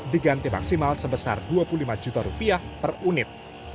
diganti maksimal sebesar rp dua puluh lima per unit